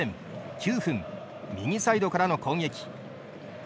９分、右サイドからの攻撃。